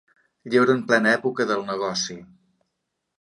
Lleure en plena època del negoci.